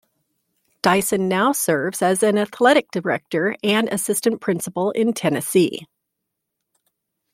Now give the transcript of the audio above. Dyson now serves as an athletic director and Assistant Principal in Tennessee.